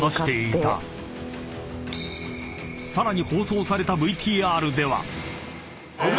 ［さらに］